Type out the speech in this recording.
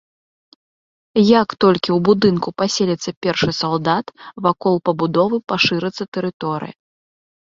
Як толькі ў будынку паселіцца першы салдат, вакол пабудовы пашырыцца тэрыторыя.